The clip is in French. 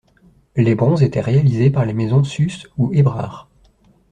Les bronzes étaient réalisés par les maisons Susse ou Hébrard.